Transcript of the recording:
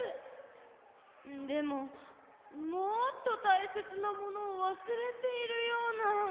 でももっとたいせつなものをわすれているような。